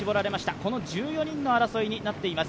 この１４人の争いになっています。